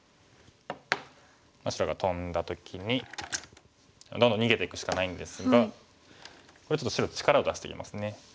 白がトンだ時にどんどん逃げていくしかないんですがここでちょっと白力を出してきますね。